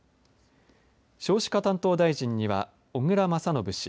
少子化担当大臣には小倉將信氏